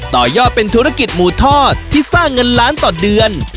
ต่อยอดเป็นธุรกิจหมูทอดที่สร้างเงินล้านต่อเดือน